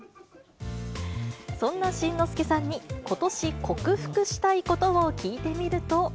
そんな新之助さんに、ことし克服したいことを聞いてみると。